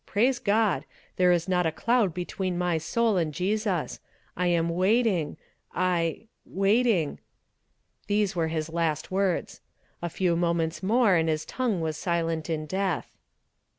Praise God! there is not a cloud between my soul and Jesus. I am waiting I waiting ." These were his last words. A few moments more and his tongue was silent in death.